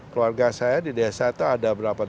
keluarga saya di desa itu ada berapa